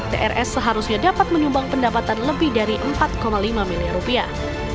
trs seharusnya dapat menyumbang pendapatan lebih dari empat lima miliar rupiah